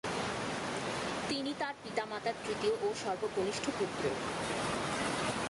তিনি তার পিতা মাতার তৃতীয় ও সর্বকনিষ্ঠ পুত্র।